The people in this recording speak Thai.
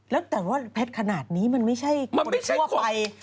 แล้วแต่ว่าแพทย์ขนาดนี้มันไม่ใช่คนทั่วไป